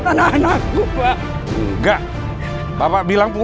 rumah bapak akan kami ambil alih